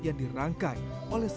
tetapi ada hal yang lebih positif bye